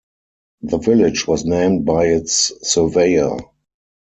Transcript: The village was named by its surveyor.